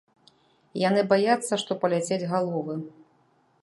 Яны баяцца, што паляцяць галовы.